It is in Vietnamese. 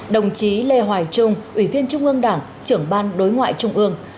đồng chí lê hoài trung ubnd trưởng ban đối ngoại trung ương